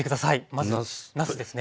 まずはなすですね。